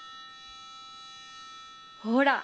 ほら。